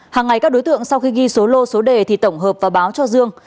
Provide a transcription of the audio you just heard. hàng ngày các đối tượng sau khi ghi số lô số đề thì tổng hợp và báo cho dương